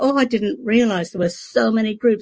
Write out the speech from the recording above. oh saya tidak menyadari ada begitu banyak grup